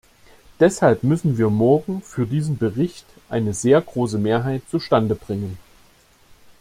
Deshalb müssen wir morgen für diesen Bericht eine sehr große Mehrheit zustande bringen.